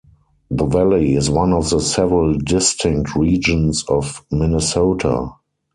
The valley is one of several distinct regions of Minnesota.